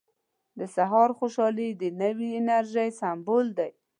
• د سهار خوشحالي د نوې انرژۍ سمبول دی.